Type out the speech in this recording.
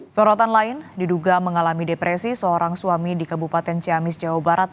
sorotan lain diduga mengalami depresi seorang suami di kabupaten ciamis jawa barat